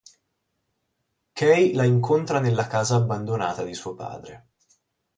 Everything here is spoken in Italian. Kei la incontra nella casa abbandonata di suo padre.